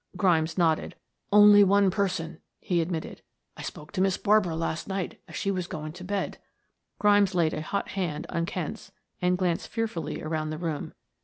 Grimes nodded. "Only one person," he admitted. "I spoke to Miss Barbara last night as she was going to bed." Grimes laid a hot hand on Kent's and glanced fearfully around the room.